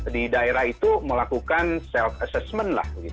di daerah itu melakukan self assessment lah